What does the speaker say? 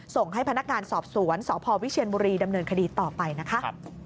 ส่งให้พนักงานสอบสวนสพวิเชียนบุรีดำเนินคดีต่อไปนะคะ